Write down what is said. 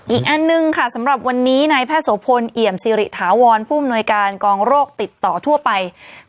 อีกอันหนึ่งค่ะสำหรับวันนี้นายแพทย์โสพลเอี่ยมสิริถาวรผู้อำนวยการกองโรคติดต่อทั่วไป